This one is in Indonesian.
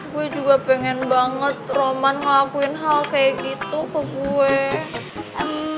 gue juga pengen banget roman ngelakuin hal kayak gitu ke gue